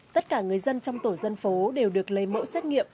tất cả người dân trong tổ dân phố đều được lấy mẫu xét nghiệm